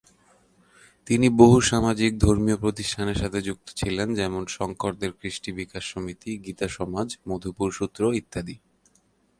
তিনি বহু সামাজিক-ধর্মীয় প্রতিষ্ঠানের সাথে যুক্ত ছিলেন, যেমন সংকরদেব-ক্রিস্টি বিকাশ সমিতি, গীতা সমাজ, মধুপুর সুত্র ইত্যাদি।